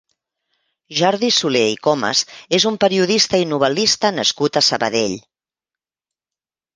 Jordi Solé i Comas és un periodista i novel·lista nascut a Sabadell.